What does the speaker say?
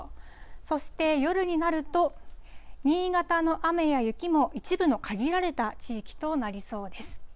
そして夜になると、新潟の雨や雪も一部の限られた地域となりそうです。